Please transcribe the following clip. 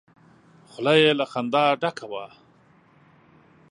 خوله يې له خندا ډکه وه!